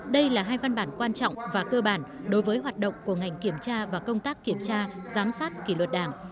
đây là hai văn bản quan trọng và cơ bản đối với hoạt động của ngành kiểm tra và công tác kiểm tra giám sát kỷ luật đảng